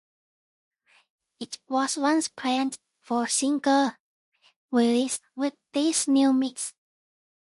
It was once planned for single release with this new mix.